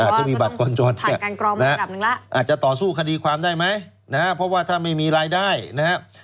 อ่าถ้ามีบัตรคนจนเนี่ยอาจจะต่อสู้คดีความได้ไหมนะฮะเพราะว่าถ้าไม่มีรายได้นะฮะ